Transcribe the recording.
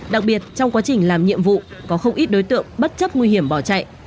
đặc biệt trong quá trình làm nhiệm vụ có không ít đối tượng bất chấp nguy hiểm bỏ chạy